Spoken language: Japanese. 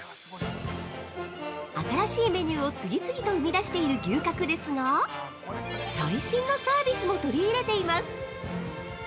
新しいメニューを次々と生み出している牛角ですが最新のサービスも取り入れています。